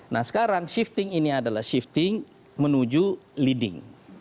nah sekarang shifting ini adalah shifting menuju leading